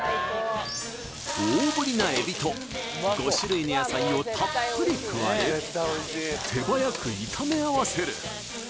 大ぶりな海老と５種類の野菜をたっぷり加え手早く炒め合わせる